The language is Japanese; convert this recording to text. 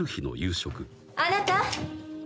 「あなた」